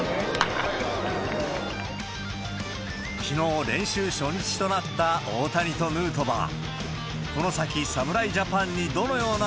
きのう、練習初日となった大谷とヌートバー。